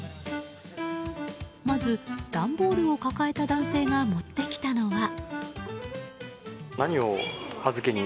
まず、段ボールを抱えた男性が持ってきたのは。